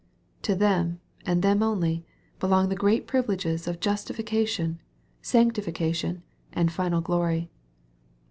To them, and them only, belong the great privileges of justification, sanctification, and final glory.